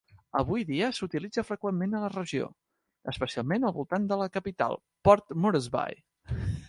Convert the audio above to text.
Avui dia s'utilitza freqüentment a la regió, especialment al voltant de la capital, Port Moresby.